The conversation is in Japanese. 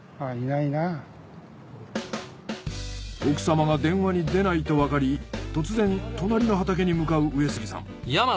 奥様が電話に出ないとわかり突然隣の畑に向かう上杉さん。